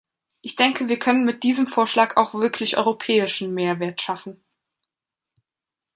Ich denke, wir können mit diesem Vorschlag auch wirklich europäischen Mehrwert schaffen.